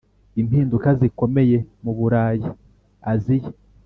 impinduka zikomeye mu burayi, aziya